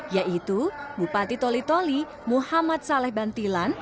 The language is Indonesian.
yaitu bupati toli toli muhammad saleh bantilan